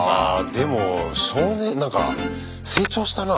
でも少年なんか成長したな。